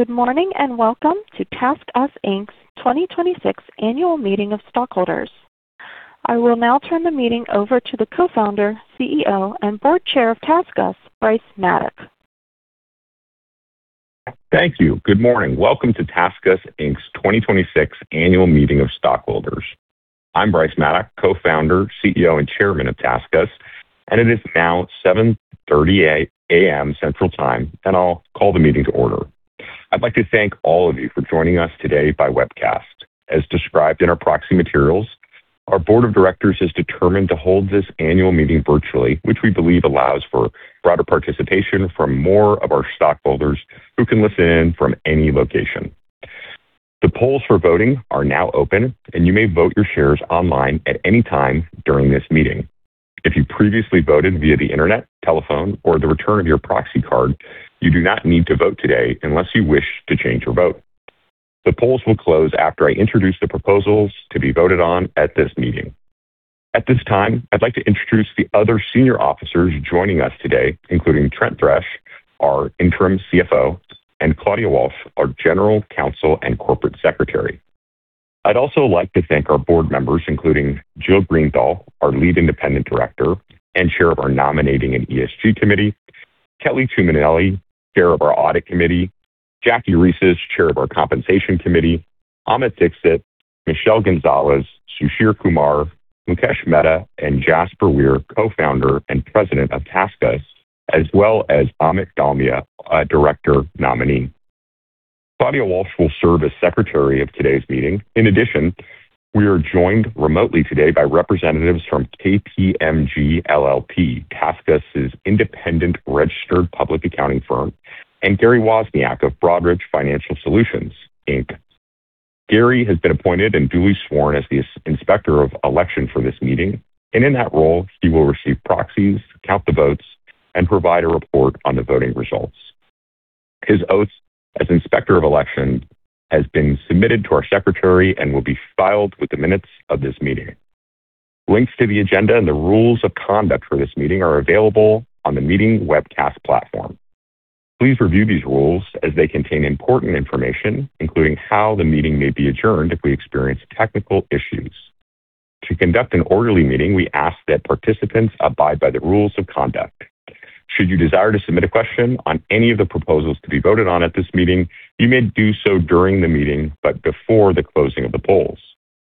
Good morning, and welcome to TaskUs, Inc.'s 2026 annual meeting of stockholders. I will now turn the meeting over to the Co-founder, CEO, and Board Chair of TaskUs, Bryce Maddock. Thank you. Good morning. Welcome to TaskUs, Inc.'s 2026 annual meeting of stockholders. I'm Bryce Maddock, Co-founder, CEO, and Chairman of TaskUs, and it is now 7:30 A.M. Central Time, and I'll call the meeting to order. I'd like to thank all of you for joining us today by webcast. As described in our proxy materials, our board of directors is determined to hold this annual meeting virtually, which we believe allows for broader participation from more of our stockholders who can listen in from any location. The polls for voting are now open, and you may vote your shares online at any time during this meeting. If you previously voted via the internet, telephone, or the return of your proxy card, you do not need to vote today unless you wish to change your vote. The polls will close after I introduce the proposals to be voted on at this meeting. At this time, I'd like to introduce the other senior officers joining us today, including Trent Thrash, our interim CFO, and Claudia Walsh, our general counsel and corporate secretary. I'd also like to thank our board members, including Jill Greenthal, our lead independent director and chair of our nominating and ESG committee, Kelly Tuminelli, chair of our audit committee, Jacqueline Reses, chair of our compensation committee, Amit Dixit, Michelle Gonzalez, Susir Kumar, Mukesh Mehta, and Jaspar Weir, co-founder and president of TaskUs, as well as Amit Dalmia, a director nominee. Claudia Walsh will serve as secretary of today's meeting. In addition, we are joined remotely today by representatives from KPMG LLP, TaskUs' independent registered public accounting firm, and Gary Wozniak of Broadridge Financial Solutions, Inc. Gary has been appointed and duly sworn as the inspector of election for this meeting, and in that role, he will receive proxies, count the votes, and provide a report on the voting results. His oath as inspector of election has been submitted to our secretary and will be filed with the minutes of this meeting. Links to the agenda and the rules of conduct for this meeting are available on the meeting webcast platform. Please review these rules as they contain important information, including how the meeting may be adjourned if we experience technical issues. To conduct an orderly meeting, we ask that participants abide by the rules of conduct. Should you desire to submit a question on any of the proposals to be voted on at this meeting, you may do so during the meeting, but before the closing of the polls.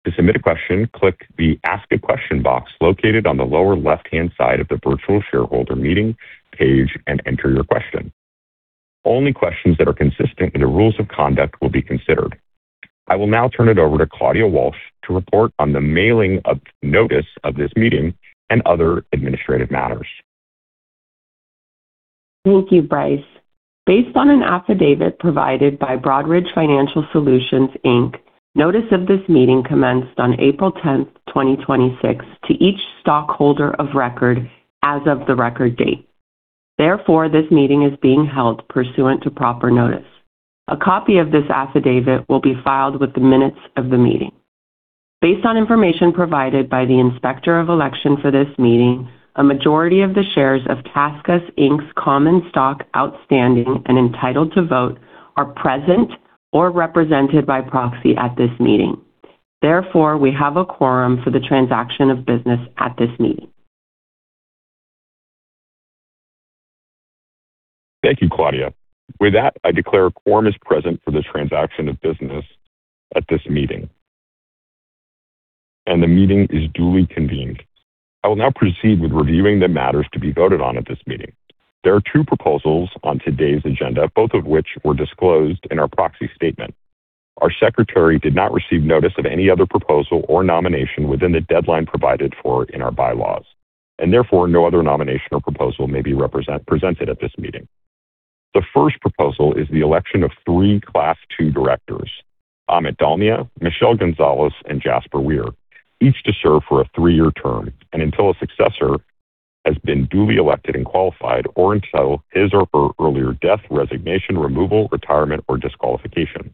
To submit a question, click the Ask a Question box located on the lower left-hand side of the virtual shareholder meeting page and enter your question. Only questions that are consistent in the rules of conduct will be considered. I will now turn it over to Claudia Walsh to report on the mailing of notice of this meeting and other administrative matters. Thank you, Bryce. Based on an affidavit provided by Broadridge Financial Solutions, Inc., notice of this meeting commenced on April 10th, 2026, to each stockholder of record as of the record date. This meeting is being held pursuant to proper notice. A copy of this affidavit will be filed with the minutes of the meeting. Based on information provided by the inspector of election for this meeting, a majority of the shares of TaskUs, Inc.'s common stock outstanding and entitled to vote are present or represented by proxy at this meeting. We have a quorum for the transaction of business at this meeting. Thank you, Claudia. With that, I declare a quorum is present for the transaction of business at this meeting, and the meeting is duly convened. I will now proceed with reviewing the matters to be voted on at this meeting. There are two proposals on today's agenda, both of which were disclosed in our proxy statement. Our secretary did not receive notice of any other proposal or nomination within the deadline provided for in our bylaws, and therefore, no other nomination or proposal may be presented at this meeting. The first proposal is the election of three Class 2 directors, Amit Dalmia, Michelle Gonzalez, and Jaspar Weir, each to serve for a three-year term and until a successor has been duly elected and qualified or until his or her earlier death, resignation, removal, retirement, or disqualification.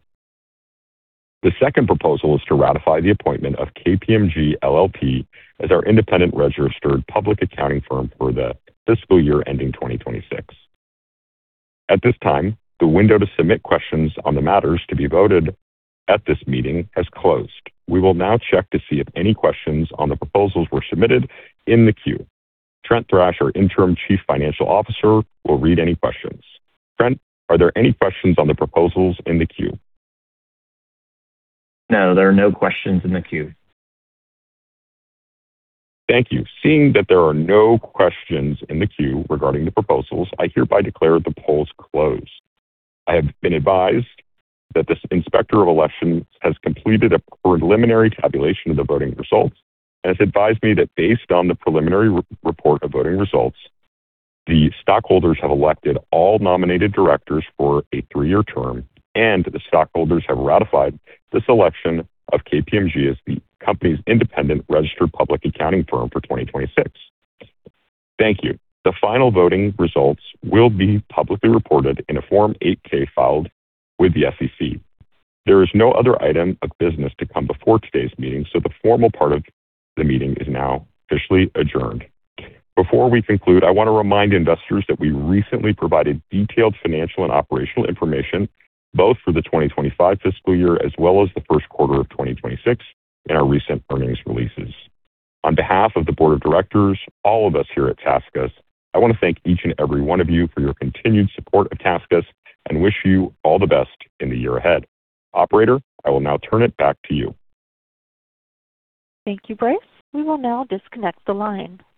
The second proposal is to ratify the appointment of KPMG LLP as our independent registered public accounting firm for the fiscal year ending 2026. At this time, the window to submit questions on the matters to be voted at this meeting has closed. We will now check to see if any questions on the proposals were submitted in the queue. Trent Thrash, our interim Chief Financial Officer, will read any questions. Trent, are there any questions on the proposals in the queue? No, there are no questions in the queue. Thank you. Seeing that there are no questions in the queue regarding the proposals, I hereby declare the polls closed. I have been advised that this inspector of elections has completed a preliminary tabulation of the voting results and has advised me that based on the preliminary report of voting results, the stockholders have elected all nominated directors for a three-year term, and the stockholders have ratified the selection of KPMG as the company's independent registered public accounting firm for 2026. Thank you. The final voting results will be publicly reported in a Form 8-K filed with the SEC. There is no other item of business to come before today's meeting, the formal part of the meeting is now officially adjourned. Before we conclude, I want to remind investors that we recently provided detailed financial and operational information both for the 2025 fiscal year as well as the 1st quarter of 2026 in our recent earnings releases. On behalf of the board of directors, all of us here at TaskUs, I want to thank each and every one of you for your continued support of TaskUs and wish you all the best in the year ahead. Operator, I will now turn it back to you. Thank you, Bryce. We will now disconnect the line.